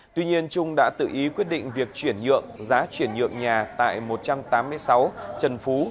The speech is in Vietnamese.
tuy nhiên trung đã tự ý quyết định việc chuyển nhượng giá chuyển nhượng nhà tại một trăm tám mươi sáu trần phú